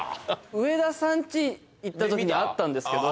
上田さん家行った時にあったんですけど。